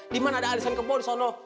diman ada alisan kebo di sana